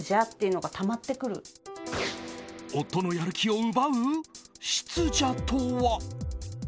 夫のやる気を奪う湿邪とは？